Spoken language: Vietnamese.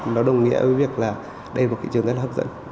nó đồng nghĩa với việc là đây là một thị trường rất là hấp dẫn